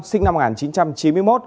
sinh năm một nghìn chín trăm chín mươi một